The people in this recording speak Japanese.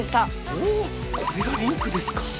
ほぉこれがリンクですかぁ。